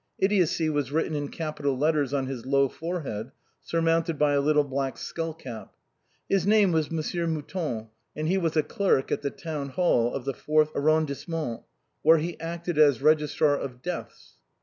Idiocy was written in capital letters on his low forehead, surmounted by a little black skull cap. His name was Monsieur ]\Iouton, and he was a clerk at the town hall of the 4th Arrondisse ment, where he acted as registrar of deaths.